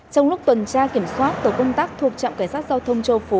trong lúc tuần tra kiểm soát tổ công tác thuộc trạm cảnh sát giao thông châu phú